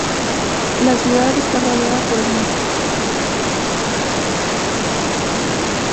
La ciudad está rodeada por el municipio rural de Portage la Prairie.